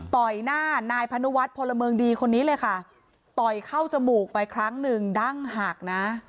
ต่อยหน้านายพนุวัฒน์พลเมืองดีคนนี้เลยค่ะต่อยเข้าจมูกไปครั้งหนึ่งดั้งหักนะ